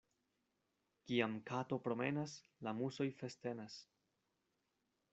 Kiam kato promenas, la musoj festenas.